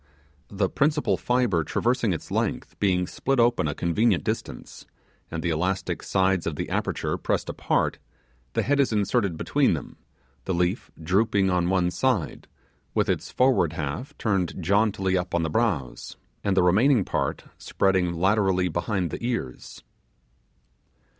The principal fibre traversing its length being split open a convenient distance, and the elastic sides of the aperture pressed apart, the head is inserted between them, the leaf drooping on one side, with its forward half turned jauntily up on the brows, and the remaining part spreading laterally behind the ears.